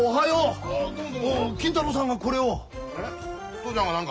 父ちゃんが何か？